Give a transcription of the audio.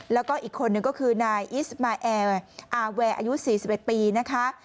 แล้วก็อีกคนนึงก็คือนายอิสมาแอร์อาแวร์อายุ๔๑ปีนะคะ